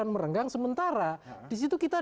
merenggang sementara disitu kita